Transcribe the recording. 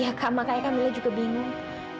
iya kak makanya kamilah juga bingung